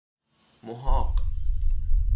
محاق